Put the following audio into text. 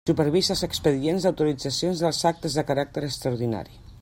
Supervisa els expedients d'autoritzacions dels actes de caràcter extraordinari.